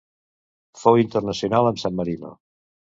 Fou internacional amb San Marino.